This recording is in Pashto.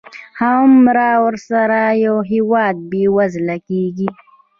هغومره ورسره یو هېواد بېوزله کېږي.